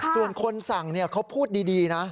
ส่วนคนสั่งเขาพูดดีนะ